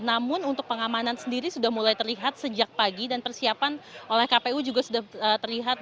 namun untuk pengamanan sendiri sudah mulai terlihat sejak pagi dan persiapan oleh kpu juga sudah terlihat